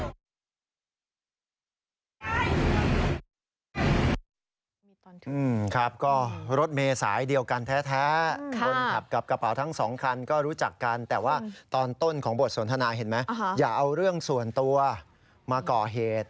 ครับก็รถเมย์สายเดียวกันแท้คนขับกับกระเป๋าทั้งสองคันก็รู้จักกันแต่ว่าตอนต้นของบทสนทนาเห็นไหมอย่าเอาเรื่องส่วนตัวมาก่อเหตุ